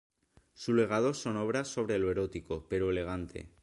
Su legado son obras sobre lo erótico, pero elegante.